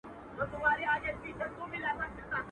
هر سړي به ویل ښه سو چي مردار سو.